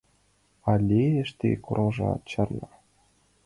Але эше колтымыжымат чарна.